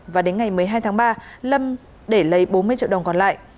và đến ngày một mươi hai tháng ba lâm để lấy bốn mươi triệu đồng còn lại